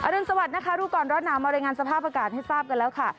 รุนสวัสดินะคะรู้ก่อนร้อนหนาวมารายงานสภาพอากาศให้ทราบกันแล้วค่ะ